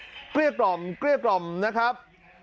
ผู้ก่อเหตุเกลียดกล่อมเกลียดกล่อมนะครับ